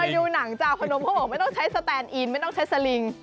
ดูหนังเจ้าพนมเขาบอกไม่ต้องใช้สแตนอินไม่ต้องใช้สลิง